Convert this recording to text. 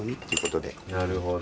なるほど。